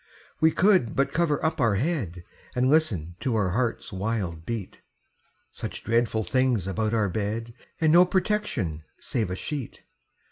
We could but cover up our head, And listen to our heart's wild beat Such dreadful things about our bed, And no protection save a sheet!